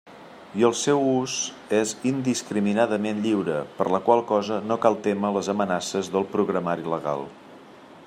I el seu ús és indiscriminadament lliure, per la qual cosa no cal témer les amenaces del Programari Legal.